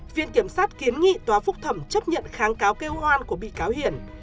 viện kiểm sát kiến nghị tòa phúc thẩm chấp nhận kháng cáo kêu oan của bị cáo hiền